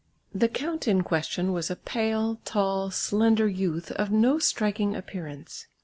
The count in question was a pale, tall, slender youth of no striking appearance.